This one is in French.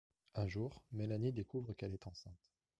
Un jour, Mélanie découvre qu’elle est enceinte.